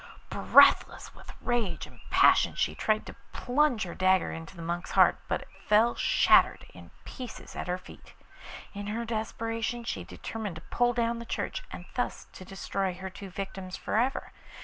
Breathless with rage and passion, she tried to plunge her dagger into the monk's heart, but it fell shattered in pieces at her feet. In her desperation she determined to pull down the church, and thus to destroy her two victims for ever.